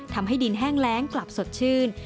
ทำให้ดินแห้งแรงกลับสดชื่น